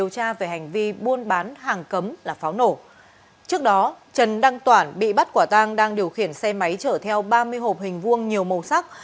trước đó trần đăng toản bị bắt quả tang đang điều khiển xe máy chở theo ba mươi hộp hình vuông nhiều màu sắc